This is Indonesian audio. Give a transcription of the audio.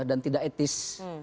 dan tidak etis